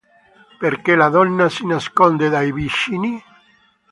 Perché la donna si nasconde dai vicini?